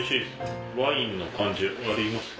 ワインの感じあります？